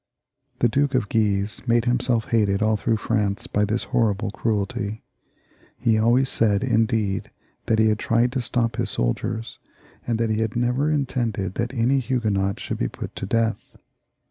The Duke of Guise made himself hated all through France by this horrible cruelty. He always said, indeed, that he had tried to stop his soldiers, and that he had never intended that any Huguenots should be put to death.